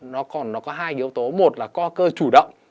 nó còn nó có hai yếu tố một là co cơ chủ động